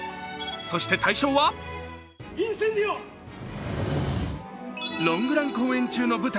そして大賞はロングラン公演中の舞台